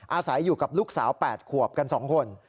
อาศัยอยู่กับลูกสาว๘ขวบกัน๒คน